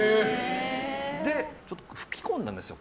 それでちょっと吹き込んだんですよ